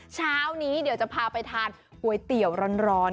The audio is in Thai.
เช้านี้เดี๋ยวจะพาไปทานก๋วยเตี๋ยวร้อน